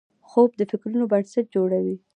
خوب د فکرونو بنسټ جوړوي